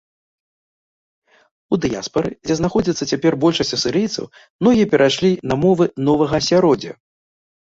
У дыяспары, дзе знаходзіцца цяпер большасць асірыйцаў, многія перайшлі на мовы новага асяроддзя.